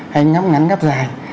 hay ngắm ngắn ngắp dài